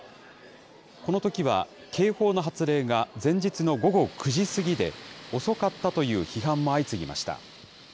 このときは、警報の発令が前日の午後９時過ぎで、遅かったという批判も相次ぎました。